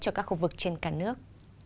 cho các khu vực trên cả nước